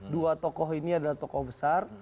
dua tokoh ini adalah tokoh besar